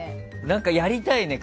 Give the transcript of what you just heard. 何かやりたいね。